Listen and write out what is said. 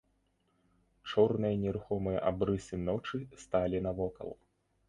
Чорныя нерухомыя абрысы ночы сталі навокал.